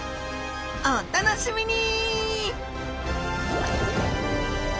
お楽しみに！